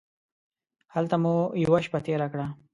هلته مو یوه شپه تېره کړه.